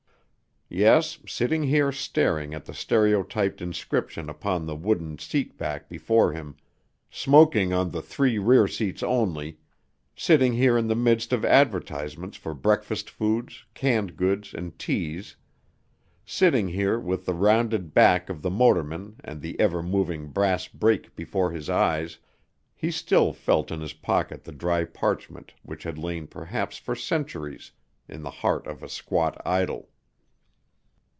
Yes, sitting here staring at the stereotyped inscription upon the wooden seat back before him, "Smoking on the three rear seats only" sitting here in the midst of advertisements for breakfast foods, canned goods, and teas, sitting here with the rounded back of the motorman and the ever moving brass brake before his eyes, he still felt in his pocket the dry parchment which had lain perhaps for centuries in the heart of a squat idol.